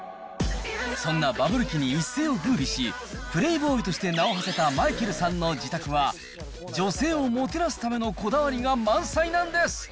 そんなバブル期に一世をふうびし、プレイボーイとして名をはせたマイケルさんの自宅は、女性をもてなすためのこだわりが満載なんです。